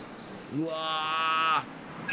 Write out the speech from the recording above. うわ。